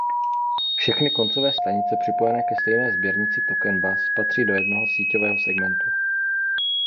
Všechny koncové stanice připojené ke stejné sběrnici token bus patří do jednoho "síťového segmentu".